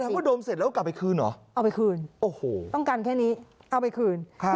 ว่าดมเสร็จแล้วก็กลับไปคืนเหรอเอาไปคืนโอ้โหต้องการแค่นี้เอาไปคืน